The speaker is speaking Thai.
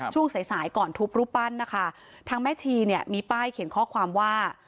ช่วงสายสายก่อนทุบรูปปั้นนะคะทางแม่ชีเนี่ยมีป้ายเขียนข้อความว่า